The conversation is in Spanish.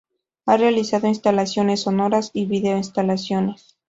Ha realizado instalaciones sonoras y video-instalaciones.